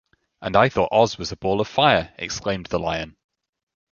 "And I thought Oz was a Ball of Fire," exclaimed the Lion.